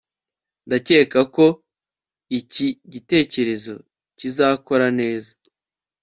Ndakeka ko iki gitekerezo kizakora neza